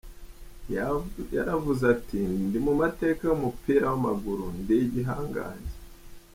Yaravuze ati: 'Ndi mu mateka y'umupira w'amaguru, ndi igihangange.